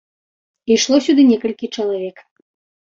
Ішло сюды некалькі чалавек.